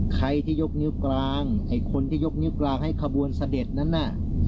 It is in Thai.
ใครที่ยกนิ้วกลางไอ้คนที่ยกนิ้วกลางให้ขบวนเสด็จนั้นน่ะ